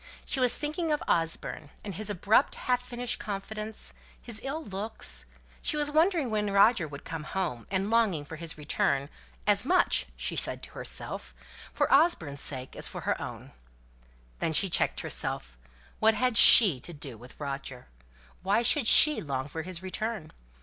She was thinking of Osborne, and his abrupt, half finished confidence, and his ill looks; she was wondering when Roger would come home, and longing for his return, as much (she said to herself) for Osborne's sake as for her own. And then she checked herself. What had she to do with Roger? Why should she long for his return?